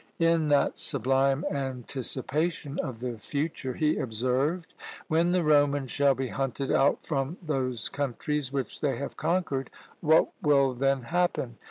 In that sublime anticipation of the future, he observed "When the Romans shall be hunted out from those countries which they have conquered, what will then happen?